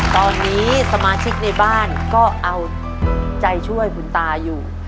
ตอนนี้สมาชิกในบ้านก็เอาใจช่วยคุณตาอยู่